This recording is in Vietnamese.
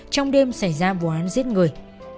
trong đêm xảy ra vụ án giết người